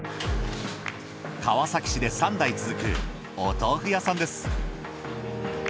川崎市で三代続くお豆腐屋さんです。